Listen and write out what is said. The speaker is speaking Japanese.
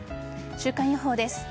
週間予報です。